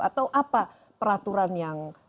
atau apa peraturan yang